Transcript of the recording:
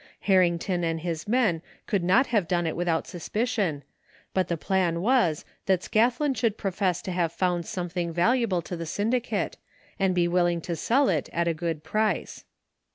Harrington and his men could not have done it without suspicion, but the plan was that Scathlin should profess to have found some thing valuable to the syndicate and be willing to sell it at a good price.